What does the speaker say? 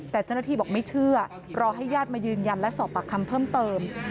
แต่เจ้าหน้าที่บอกไม่เชื่อรอให้ญาติมายืนยันและสอบปากคำเพิ่มเติม